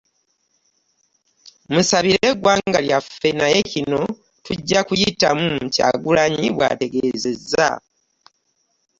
"Musabire eggwanga lyaffe naye kino tujja kuyitamu.” Kyagulanyi bw’ategeezezza.